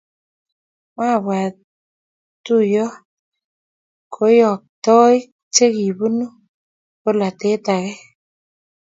Mabwa tuiyrt koyoktoik che kibunu polatet ake